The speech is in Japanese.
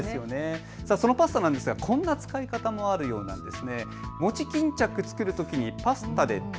そのパスタなんですがこんな使い方もあるようなんです。